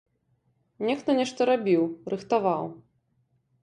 Нехта нешта рабіў, рыхтаваў.